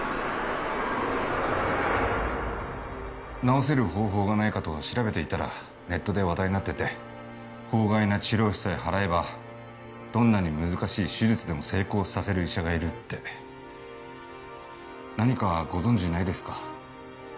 治せる方法がないかと調べていたらネットで話題になってて法外な治療費さえ払えばどんなに難しい手術でも成功させる医者がいるって何かご存じないですか？